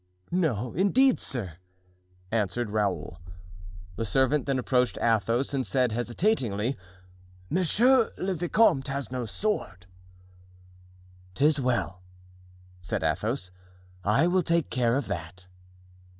"No, indeed, sir," answered Raoul. The servant then approached Athos and said, hesitatingly: "Monsieur le vicomte has no sword." "'Tis well," said Athos, "I will take care of that."